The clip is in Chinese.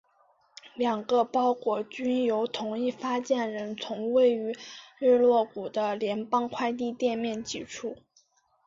两个包裹均由同一发件人从位于日落谷的联邦快递店面寄出。